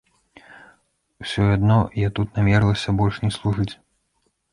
Усё адно я тут намерылася больш не служыць.